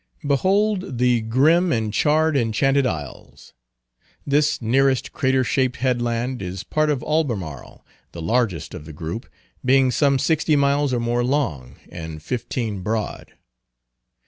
Behold the grim and charred Enchanted Isles. This nearest crater shaped headland is part of Albemarle, the largest of the group, being some sixty miles or more long, and fifteen broad.